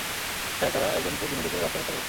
Sir, তারা একজনকে দিনে-দুপুরে রাস্তায় হত্যা করেছে।